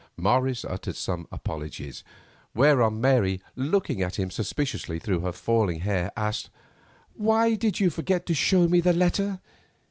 Morris muttered some apologies, whereon Mary, looking at him suspiciously through her falling hair, asked: "Why did you forget to show me the letter?